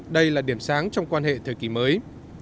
đây là điểm sáng trong quan hệ thời kỳ mới